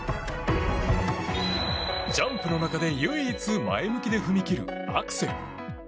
ジャンプの中で唯一前向きで踏み切るアクセル。